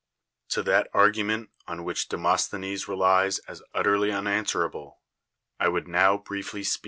To ttial argument on which Demostheni^s re lics a uilcily unanswerable I would now briefly v.